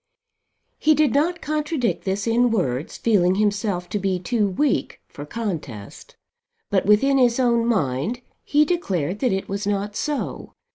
He did not contradict this in words, feeling himself to be too weak for contest; but within his own mind he declared that it was not so.